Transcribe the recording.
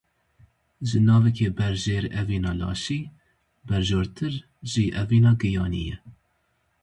Ji navikê berjêr evîna laşî, berjortir jî evîna giyanî ye.